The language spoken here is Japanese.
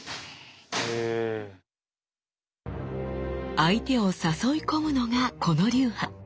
相手を誘い込むのがこの流派。